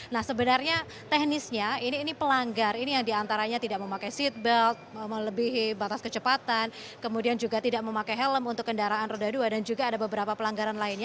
nah sebenarnya teknisnya ini pelanggar ini yang diantaranya tidak memakai seatbelt melebihi batas kecepatan kemudian juga tidak memakai helm untuk kendaraan roda dua dan juga ada beberapa pelanggaran lainnya